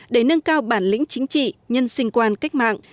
để nâng cao bản lĩnh chính trị nhân sinh quan cách mạng